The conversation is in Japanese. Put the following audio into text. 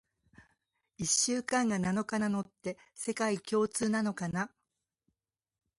一週間が七日なのって、世界共通なのかな？